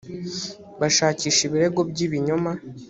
bashakisha ibirego by ibinyoma